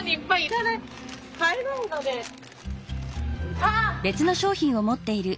あっ！